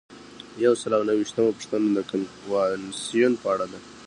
یو سل او نهه ویشتمه پوښتنه د کنوانسیون په اړه ده.